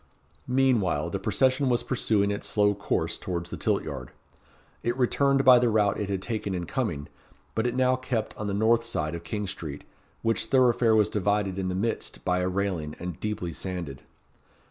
Meanwhile, the procession was pursuing its slow course towards the tilt yard. It returned by the route it had taken in coming; but it now kept on the north side of King Street, which thoroughfare was divided in the midst by a railing, and deeply sanded.